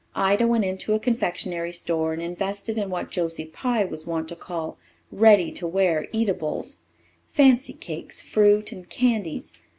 Ida went into a confectionery store and invested in what Josie Pye was wont to call "ready to wear eatables" fancy cakes, fruit, and candies.